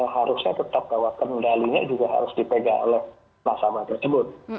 harusnya tetap bahwa kendalinya juga harus dipegang oleh nasabah tersebut